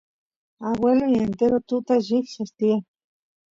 agueloy entero tutata llikchas tiyan